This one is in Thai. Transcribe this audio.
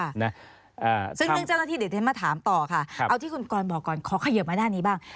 พกคซึ่งเรื่องเจ้าหน้าที่เดี๋ยวเทนต์มาถามต่อค่ะขอขยิบมาด้านนี้บ้าง